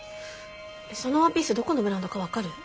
そのワンピースどこのブランドか分かる？